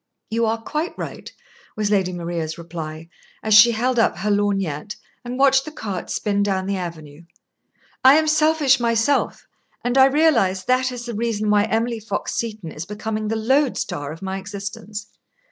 "You are quite right," was Lady Maria's reply, as she held up her lorgnette and watched the cart spin down the avenue. "I am selfish myself, and I realise that is the reason why Emily Fox Seton is becoming the lodestar of my existence.